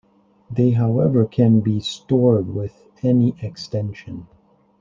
They however can be stored with any extension.